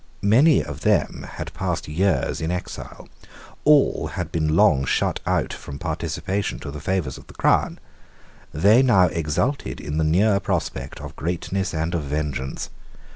Many of them had passed years in exile. All had been long shut out from participation to the favours of the crown. They now exulted in the near prospect of greatness and of vengeance.